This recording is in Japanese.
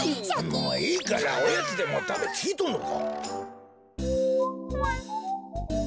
もういいからおやつでもたべきいとんのか？